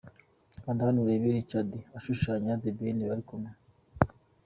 Kanda hano urebe Richard ashushanya The Ben bari kumwe.